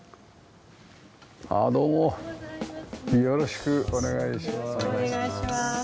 よろしくお願いします。